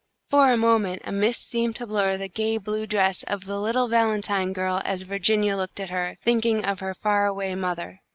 For a moment, a mist seemed to blur the gay blue dress of the little valentine girl as Virginia looked at her, thinking of her far away mother.